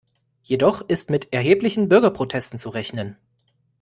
Jedoch ist mit erheblichen Bürgerprotesten zu rechnen.